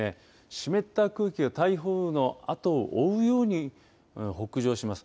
湿った空気が台風のあとを追うように北上します。